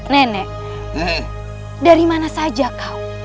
nenek dari mana saja kau